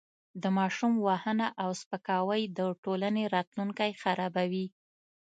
د ماشوم وهنه او سپکاوی د ټولنې راتلونکی خرابوي.